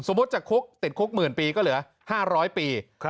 สมมุติจะคุกติดคุกหมื่นปีก็เหลือ๕๐๐ปี